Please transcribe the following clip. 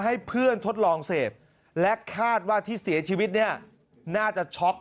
ให้เพื่อนทดลองเสพและคาดว่าที่เสียชีวิตเนี่ยน่าจะช็อก